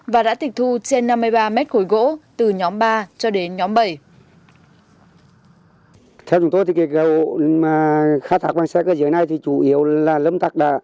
và đã tịch thu trên năm mươi ba mét khối gỗ từ nhóm ba cho đến nhóm bảy